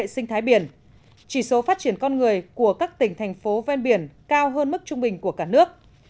các ngành kinh tế phát triển bền vững của hệ sinh thái biển chỉ số phát triển con người của các tỉnh thành phố ven biển cao hơn mức trung bình của cả nước